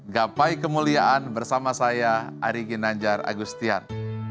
gapai kemuliaan bersama saya ari ginanjar agustian